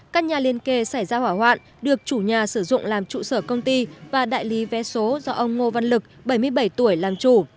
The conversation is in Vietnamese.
các nhà liên kề xảy ra hỏa hoạn được chủ nhà sử dụng làm trụ sở công ty và đại lý vé số do ông ngô văn lực bảy mươi bảy tuổi làm chủ